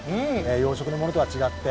養殖のものとは違って。